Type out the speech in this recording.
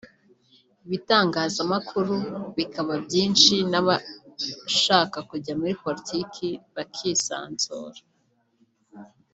ibitangazamakuru bikaba byinshi n’abashaka kujya muri politiki bakisanzura